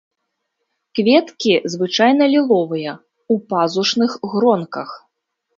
Кветкі звычайна ліловыя, у пазушных гронках.